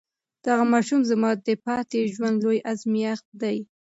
دغه ماشوم زما د پاتې ژوند لوی ازمېښت دی.